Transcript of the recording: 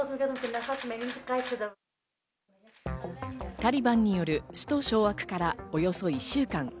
タリバンによる首都掌握からおよそ１週間。